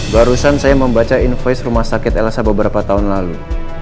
barusan saya membaca invoice rumah sakit elsa beberapa tahun lalu